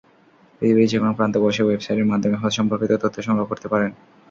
পৃথিবীর যেকোনো প্রান্তে বসে ওয়েবসাইটের মাধ্যমে হজ-সম্পর্কিত তথ্য সংগ্রহ করতে পারেন।